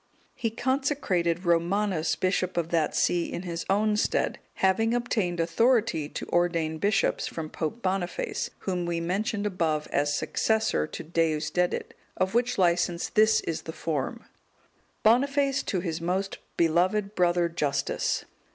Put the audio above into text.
He consecrated Romanus bishop of that see in his own stead, having obtained authority to ordain bishops from Pope Boniface, whom we mentioned above as successor to Deusdedit: of which licence this is the form: "_Boniface, to his most beloved brother Justus.